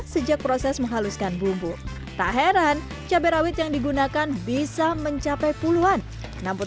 sejak proses menghaluskan bumbu tak heran cabai rawit yang digunakan bisa mencapai puluhan namun